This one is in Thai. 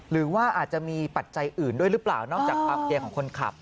หรือว่าอาจจะมีปัจจัยอื่นด้วยหรือเปล่านอกจากความเกลียของคนขับ